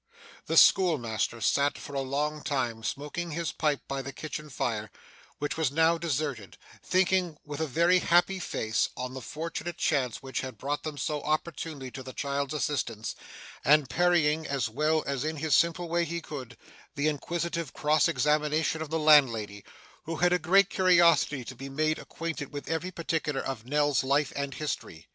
The schoolmaster sat for a long time smoking his pipe by the kitchen fire, which was now deserted, thinking, with a very happy face, on the fortunate chance which had brought him so opportunely to the child's assistance, and parrying, as well as in his simple way he could, the inquisitive cross examination of the landlady, who had a great curiosity to be made acquainted with every particular of Nell's life and history.